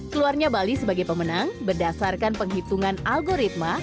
keluarnya bali sebagai pemenang berdasarkan penghitungan algoritma